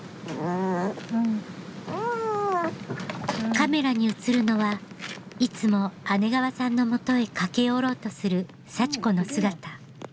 カメラに写るのはいつも姉川さんのもとへ駆け寄ろうとする幸子の姿。